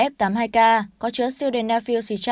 ba mươi bảy f tám mươi hai k có chứa tadalafil